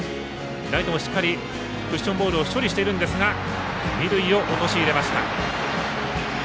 ライトも、しっかりクッションボールを処理しているんですが二塁を陥れました。